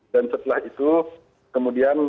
dan setelah itu kemudian